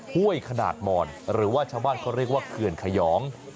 ห้วยขนาดหมอนหรือว่าชาวบ้านเขาเรียกว่าเขื่อนขยอง